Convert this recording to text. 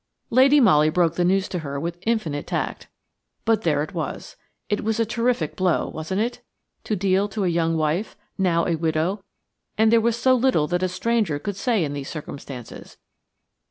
Lady Molly broke the news to her with infinite tact, but there it was! It was a terrific blow–wasn't it?–to deal to a young wife–now a widow; and there was so little that a stranger could say in these circumstances.